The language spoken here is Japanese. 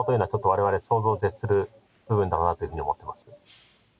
われわれ想像を絶する部分だなというふうに思ってます。